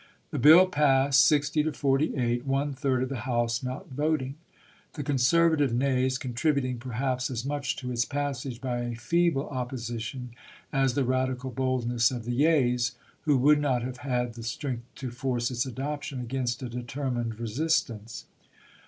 The bill passed sixty to forty eight, —one third of the House not voting, — the con servative nays contributing perhaps as much to its passage by a feeble opposition, as the radical bold ness of the yeas, who would not have had the strength to force its adoption against a determined resistance.